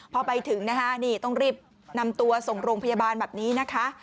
พอไปถึงนะคะนี่ต้องรีบนำตัวส่งโรงพยาบาลแบบนี้นะคะ